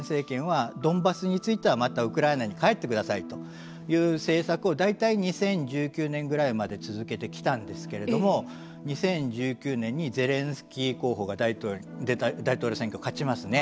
だからプーチン政権はドンバスについてはウクライナに帰ってくださいという政策を大体２０１９年ぐらいまで続けてきたんですけれども２０１９年にゼレンスキー候補が大統領選挙勝ちますね。